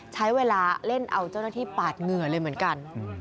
ใช้เวลาเล่นเอาเจ้าหน้าที่ปาดเหงื่อเลยเหมือนกัน